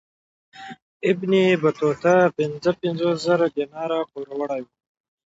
ابن بطوطه پنځه پنځوس زره دیناره پوروړی وو.